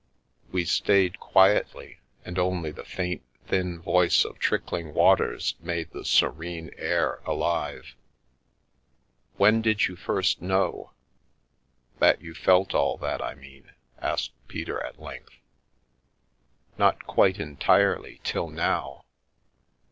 We stayed quietly, and only the faint, thin voice of trickling waters made the serene air alive. " When did you first know ? That you felt all that, I mean ?" asked Peter, at length. " Not quite entirely till now.